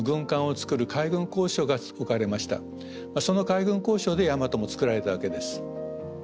その海軍工廠で大和も造られたわけです。